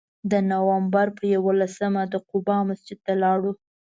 د نوامبر په یولسمه د قبا جومات ته لاړو.